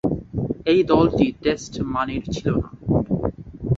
ঐ দলটি টেস্ট মানের ছিল না।